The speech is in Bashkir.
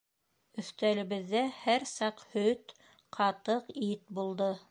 Өҫтәлебеҙҙә һәр саҡ һөт, ҡатыҡ, ит булды.